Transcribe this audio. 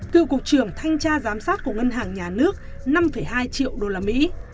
cựu cục trưởng thanh tra giám sát của ngân hàng nhà nước năm hai triệu usd